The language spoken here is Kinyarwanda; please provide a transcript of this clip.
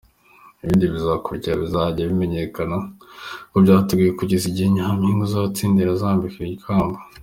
Ibindi bizakurikiraho bikazajya bimenyekana uko byateguwe kugeza igihe Nyampinga uzabitsindira azambikirwa ikamba.